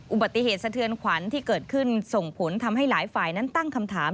อุบัติเหตุสะเทือนขวัญที่เกิดขึ้นส่งผลทำให้หลายฝ่ายนั้นตั้งคำถาม